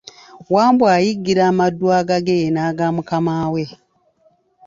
Wambwa ayiggira amaddu agage n’agamukamaawe.